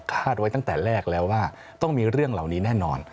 ไว้ตั้งแต่แรกแล้วว่าต้องมีเรื่องเหล่านี้แน่นอน